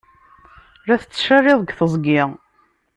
La tettcaliḍ deg teẓgi.